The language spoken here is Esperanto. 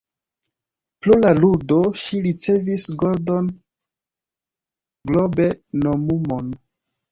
Pro la ludo, ŝi ricevis Golden Globe-nomumon.